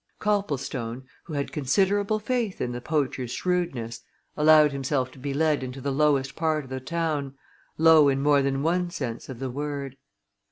Copplestone, who had considerable faith in the poacher's shrewdness, allowed himself to be led into the lowest part of the town low in more than one sense of the word.